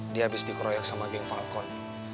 dia habis dikroyok sama geng falcon